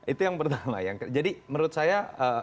itu yang pertama jadi menurut saya